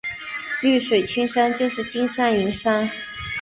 绿水青山就是金山银山